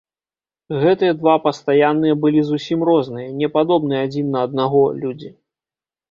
Гэтыя два пастаянныя былі зусім розныя, не падобныя адзін на аднаго, людзі.